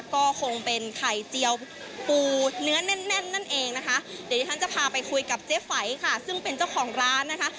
ก็คงเป็นไข่เจียวปูเนื้อแน่นแน่นนั่นเองนะคะเดี๋ยวที่ฉันจะพาไปคุยกับเจ๊ไฝค่ะซึ่งเป็นเจ้าของร้านนะคะ